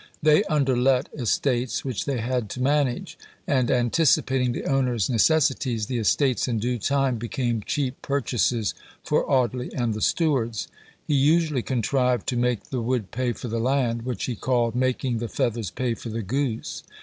They underlet estates which they had to manage; and anticipating the owner's necessities, the estates in due time became cheap purchases for Audley and the stewards. He usually contrived to make the wood pay for the land, which he called "making the feathers pay for the goose."